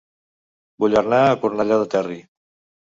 Vull anar a Cornellà del Terri